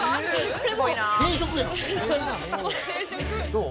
◆どう？